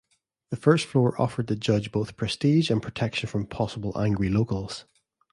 The first floor offered the judge both prestige and protection from possible angry locals.